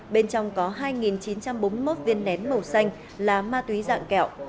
bên trong có hai chín trăm bốn mươi một viên nén màu xanh là ma túy dạng kẹo